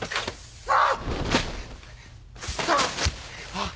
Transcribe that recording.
あっ！